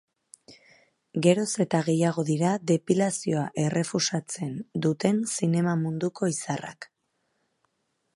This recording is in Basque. Geroz eta gehiago dira depilazioa errefusatzen duten zinema munduko izarrak.